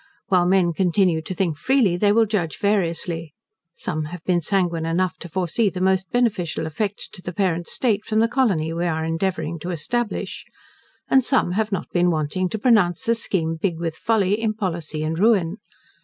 While men continue to think freely, they will judge variously. Some have been sanguine enough to foresee the most beneficial effects to the Parent State, from the Colony we are endeavouring to establish; and some have not been wanting to pronounce the scheme big with folly, impolicy, and ruin.